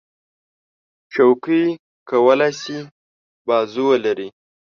چوکۍ کولی شي بازو ولري.